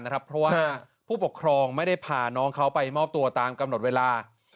เพราะว่าผู้ปกครองไม่ได้พาน้องเขาไปมอบตัวตามกำหนดเวลา